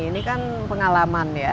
ini kan pengalaman ya